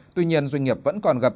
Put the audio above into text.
tuy nhiên doanh nghiệp vẫn còn gặp